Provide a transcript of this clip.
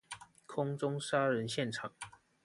空中殺人現場